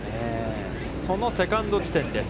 そのセカンド地点です。